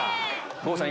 郷さん